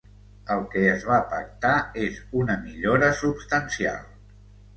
El que es va pactar és una millora substancial.